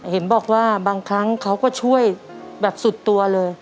เห็นบอกว่าบางครั้งเขาก็ช่วยแบบสุดตัวเลย